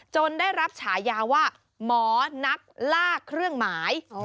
ได้รับฉายาว่าหมอนักล่าเครื่องหมาย